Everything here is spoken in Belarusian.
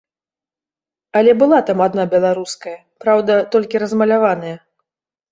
Але была там адна беларуская, праўда, толькі размаляваная.